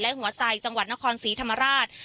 และหัวใส่จังหวัดนครศรีธรรมราช